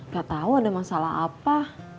gak tahu ada masalah apa